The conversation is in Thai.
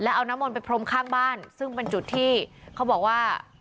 เอาน้ำมนต์ไปพรมข้างบ้านซึ่งเป็นจุดที่เขาบอกว่า